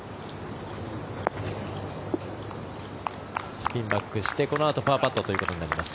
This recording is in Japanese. スピンバックしてこのあとパーパットということになります。